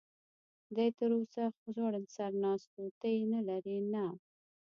دی تراوسه ځوړند سر ناست و، ته یې نه لرې؟ نه.